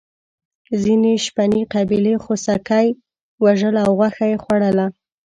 ځینې شپنې قبیلې خوسکي وژل او غوښه یې خوړله.